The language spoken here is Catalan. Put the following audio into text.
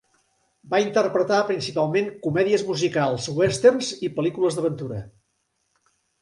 Va interpretar principalment comèdies musicals, westerns i pel·lícules d'aventura.